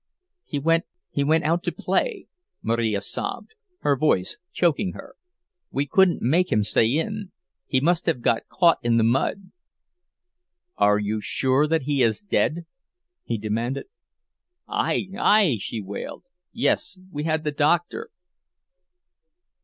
"He went—he went out to play," Marija sobbed, her voice choking her. "We couldn't make him stay in. He must have got caught in the mud!" "Are you sure that he is dead?" he demanded. "Ai! ai!" she wailed. "Yes; we had the doctor."